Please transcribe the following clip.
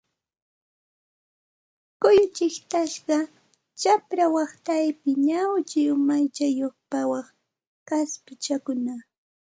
Kullu chiqtasqa, chapra waqtaypi ñawchi umachayuq pawaq kaspichakuna